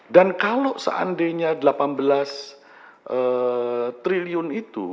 dan kalau seandainya rp delapan belas triliun